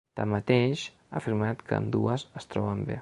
Tanmateix, ha afirmat que ambdues es troben bé.